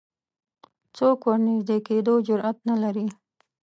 څوک ورنژدې کېدو جرئت نه لري